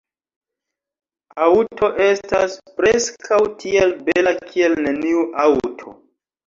Aŭto estas preskaŭ tiel bela kiel neniu aŭto.